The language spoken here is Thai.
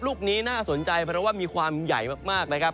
ลูกนี้น่าสนใจเพราะว่ามีความใหญ่มากนะครับ